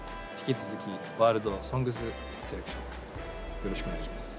よろしくお願いします。